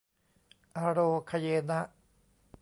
อาโรคะเยนะ